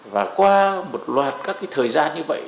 và qua một loạt các thời gian như vậy